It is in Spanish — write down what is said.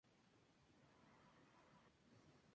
Su sede se encuentra en la ciudad de São Paulo.